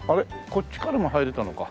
こっちからも入れたのか。